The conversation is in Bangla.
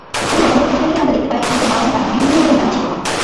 প্রতিবছর বৈশাখ এলেই আমরা দেখতে পাই আমাদের মা-বোনেরা বিভিন্নভাবে লাঞ্ছিত হন।